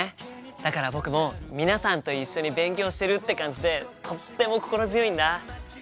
だから僕も皆さんと一緒に勉強してるって感じでとっても心強いんだ。